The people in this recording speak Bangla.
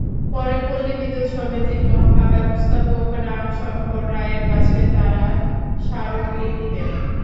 পরে পল্লী বিদ্যুৎ সমিতির মহাব্যবস্থাপক রাম শংকর রায়ের কাছে তাঁরা স্মারকলিপি দেন।